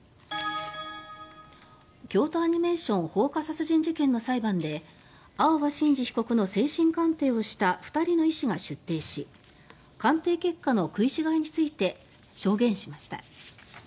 京都アニメーション放火殺人事件の裁判で青葉真司被告の精神鑑定をした２人の医師が出廷し鑑定結果の食い違いについて証言しました。